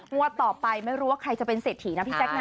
งวดต่อไปไม่รู้ว่าใครจะเป็นเศรษฐีนะพี่แจ๊คนะ